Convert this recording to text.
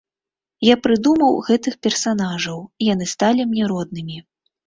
Я прыдумаў гэтых персанажаў, яны сталі мне роднымі.